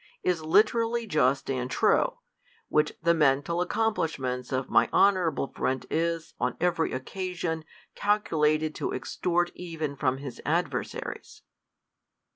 is literally just and true, which the mental accomplish ment of my honorable friend is, on every occasion, cal culated to extort even from his adversaries.